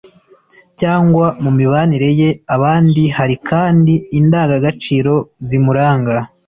cyangwa mu mibanire ye abandi hari kandi indangagaciro zimuranga